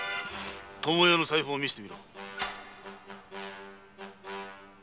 巴屋の財布を見せてみろ。